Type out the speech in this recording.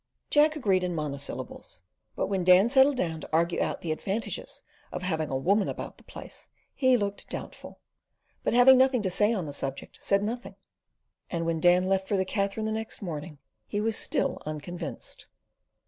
Jack agreed in monosyllables; but when Dan settled down to argue out the advantages of having a woman about the place, he looked doubtful; but having nothing to say on the subject, said nothing; and when Dan left for the Katherine next morning he was still unconvinced.